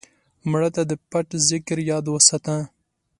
مړه ته د پټ ذکر یاد وساته